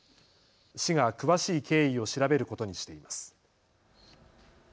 市が詳しい経緯を調べることにしています。